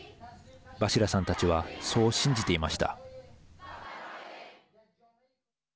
バシラさんたちはそう信じていました。